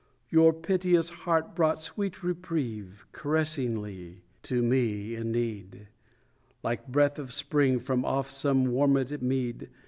Your piteous heart brought sweet reprieve, Caressingly, to me in need, Like breath of spring from off some warmèd mead.